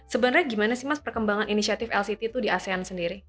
sebenarnya gimana sih mas perkembangan inisiatif lct itu di asean sendiri